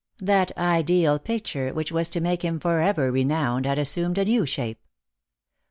That ideal picture which was to make him for ever renowned had assumed a new shape.